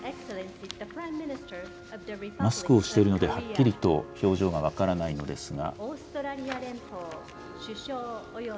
マスクをしているのではっきりと表情が分からないのですが。